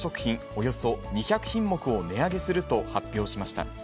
およそ２００品目を値上げすると発表しました。